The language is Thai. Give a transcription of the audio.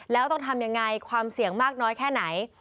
แล้วต้องทำยังไงความเสี่ยงมากน้อยแค่ไหน